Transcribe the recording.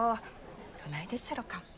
どないでっしゃろか？